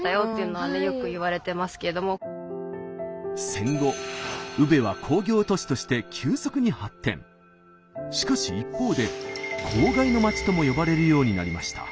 戦後宇部はしかし一方で「公害の街」とも呼ばれるようになりました。